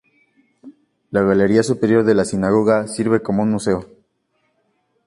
La galería superior de la sinagoga sirve como un museo.